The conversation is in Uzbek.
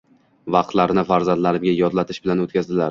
Vaqtlarini farzandlarimga yodlatish bilan oʻtkazadilar.